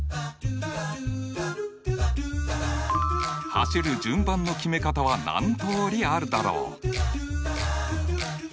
走る順番の決め方は何通りあるだろう？